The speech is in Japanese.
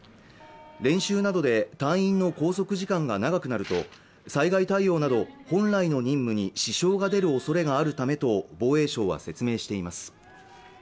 練習などで隊員の拘束時間が長くなると災害対応など本来の任務に支障が出るおそれがあるためと防衛省は説明しています